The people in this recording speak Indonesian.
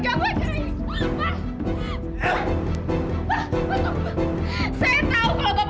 jangan ganggu aja ini